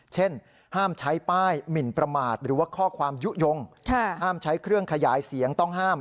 เช่นห้ามใช้ป้ายหมินประมาทหรือว่าข้อความยุโยงห้ามใช้เครื่องขยายเสียงต้องห้าม